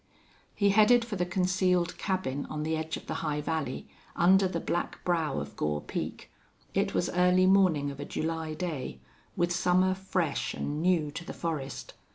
He headed for the concealed cabin on the edge of the high valley, under the black brow of Gore Peak. It was early morning of a July day, with summer fresh and new to the forest.